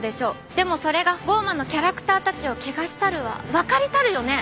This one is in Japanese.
でもそれが『降魔』のキャラクターたちを汚したるはわかりたるよね？